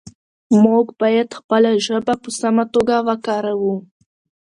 موږ باید خپله ژبه په سمه توګه وکاروو